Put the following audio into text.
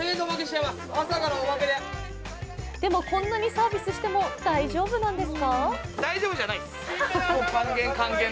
でも、こんなにサービスしても大丈夫なんですか？